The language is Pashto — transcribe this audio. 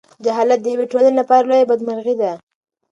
جهالت د یوې ټولنې لپاره لویه بدمرغي ده.